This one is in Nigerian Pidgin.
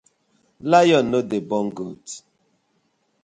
Lion no dey born goat.